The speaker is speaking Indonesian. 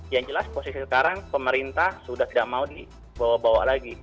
yang jelas posisi sekarang pemerintah sudah tidak mau dibawa bawa lagi